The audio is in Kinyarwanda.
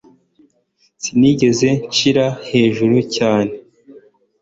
sinigeze nshyira hejuru cyane